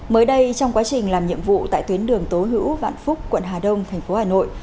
mới đây trong quá trình làm nhiệm vụ tại tuyến đường tố hữu vạn phúc quận hà đông thành phố hà nội